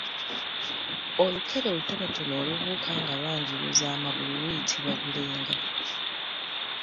Olukere olutononotono olubuuka nga lwanjuluza amagulu luyitibwa lulenga.